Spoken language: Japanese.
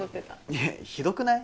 いやひどくない？